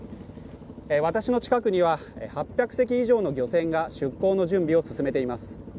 私の近くには８００隻以上の漁船が出航の準備を進めています